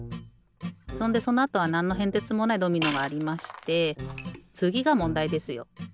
そんでそのあとはなんのへんてつもないドミノがありましてつぎがもんだいですよ。